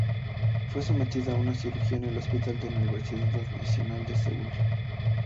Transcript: Fue sometida a dos cirugías en el Hospital de la Universidad Nacional de Seúl.